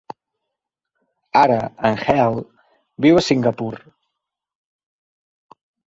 Ara, en Heal viu a Singapore.